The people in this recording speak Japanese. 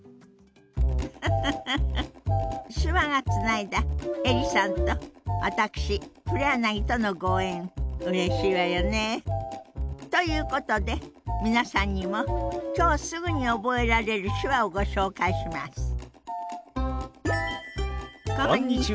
手話がつないだ映里さんと私黒柳とのご縁うれしいわよね。ということで皆さんにも今日すぐに覚えられる手話をご紹介します。